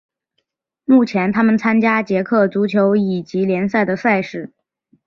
目前他们参加捷克足球乙级联赛的赛事。